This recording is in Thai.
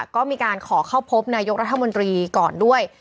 ก็มีการขอเข้าพบนายกรัฐมนตรีก่อนด้วย